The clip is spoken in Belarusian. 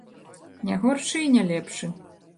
Не горшы і не лепшы.